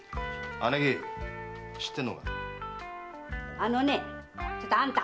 あのねあんた！